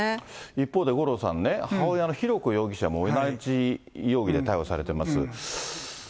一方で、五郎さんね、母親の浩子容疑者も同じ容疑で逮捕されています。